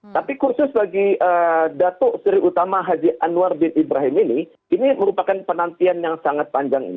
tapi kursus bagi dato sri utama haji anwar bin ibrahim ini ini merupakan penantian yang sangat panjang ini